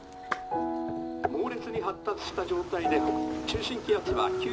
「猛烈に発達した状態で中心気圧は」。